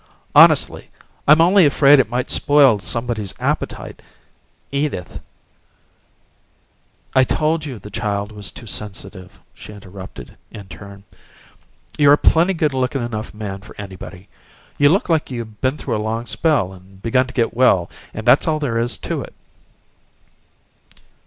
"Honestly, I'm only afraid it might spoil somebody's appetite. Edith " "I told you the child was too sensitive," she interrupted, in turn. "You're a plenty good lookin' enough young man for anybody! You look like you been through a long spell and begun to get well, and that's all there is to it."